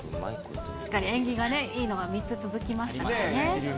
確かに縁起がいいのが３つ続きましたからね。